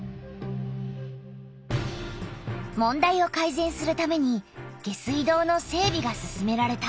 問題をかいぜんするために下水道の整びが進められた。